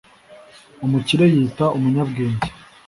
umukire yiyita umunyabwenge,